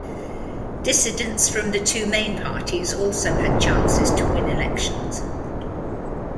Dissidents from the two main parties also had chances to win elections.